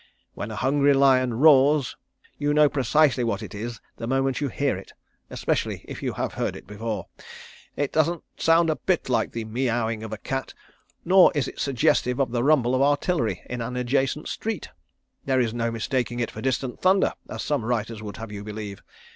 When a hungry lion roars you know precisely what it is the moment you hear it, especially if you have heard it before. It doesn't sound a bit like the miauing of a cat; nor is it suggestive of the rumble of artillery in an adjacent street. There is no mistaking it for distant thunder, as some writers would have you believe.